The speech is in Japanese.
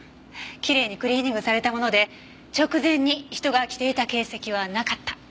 きれいにクリーニングされたもので直前に人が着ていた形跡はなかった。